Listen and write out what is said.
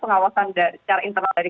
pengawasan secara internal dari